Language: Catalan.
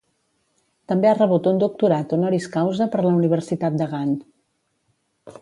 També ha rebut un doctorat honoris causa per la Universitat de Gant.